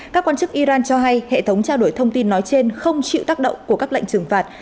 các quan chức iran cho hay hệ thống trao đổi thông tin nói trên không chịu tác động của các lệnh trừng phạt